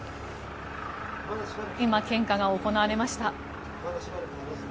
今、献花が行われました。